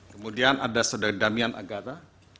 kemudian ada saudari damian agata